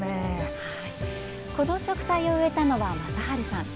この植栽を植えたのは正治さん。